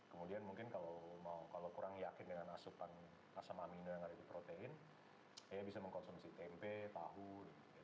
kemudian mungkin kalau kurang yakin dengan asupan asam amino yang ada di protein dia bisa mengkonsumsi tempe tahu